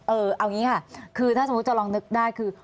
เอาอย่างนี้ค่ะคือถ้าสมมุติจะลองนึกได้คือ